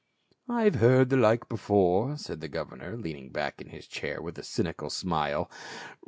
"I have heard the like before," said the governor, leaning back in his chair with a cynical smile.